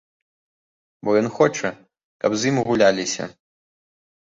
Бо ён хоча, каб з ім гуляліся.